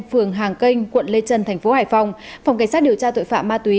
phường hàng kênh quận lê trân tp hải phòng phòng cảnh sát điều tra tội phạm ma túy